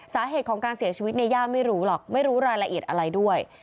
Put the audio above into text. สาเหตุของการเสียชีวิตในย่าไม่รู้หรอกไม่รู้รายละเอียดอะไรด้วย